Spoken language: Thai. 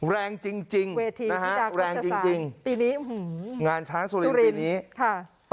แรงจริงจริงเวทีนะฮะแรงจริงจริงปีนี้งานช้างสุรินปีนี้ค่ะ